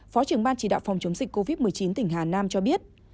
phó trưởng ban chỉ đạo phòng chống dịch covid một mươi chín tỉnh hà nam cho biết